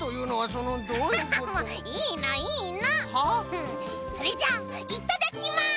それじゃあいただきます！